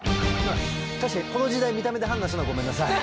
確かにこの時代見た目で判断するのはごめんなさい。